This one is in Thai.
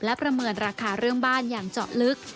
และประเมินราคาเรื่องบ้านอย่างเจาะลึก